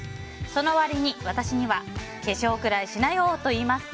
その割に私には化粧くらいしなよって言います。